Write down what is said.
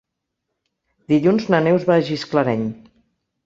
Dilluns na Neus va a Gisclareny.